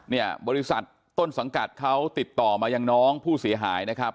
เนี่ยบริษัทต้นสังกัดเขาติดต่อมายังน้องผู้เสียหายนะครับ